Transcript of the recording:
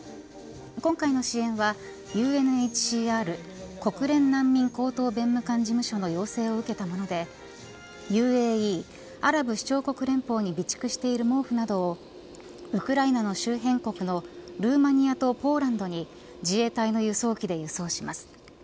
今回の支援はＵＮＨＣＲ国連難民高等弁務官事務所の要請を受けたものでＵＡＥアラブ首長国連邦に備蓄している毛布などをウクライナの周辺国のルーマニアとポーランドに自衛隊の輸送機で輸送します。